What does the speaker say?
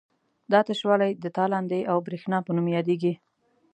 دا تشوالی د تالندې او برېښنا په نوم یادیږي.